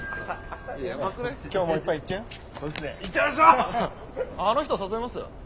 あの人誘います？